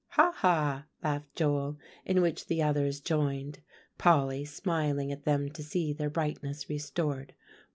"Ha, ha!" laughed Joel, in which the others joined, Polly smiling at them to see their brightness restored.